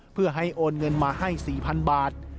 เพื่อให้โอนเงินมาให้๔๐๐๐บาท